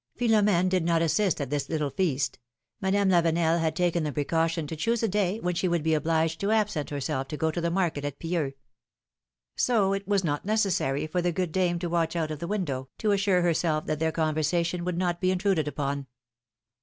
Philom^ne did not assist at this little feast; Madame PIIIL0M^]NE'S MARRIAGES. 79 L/avenel had taken the precaution to choose a dav when she would be obliged to absent herself to go to the market at Pieux. So it was not necessary for the good dame to watch out of the window, to assure herself that their conversation would not be intruded upon.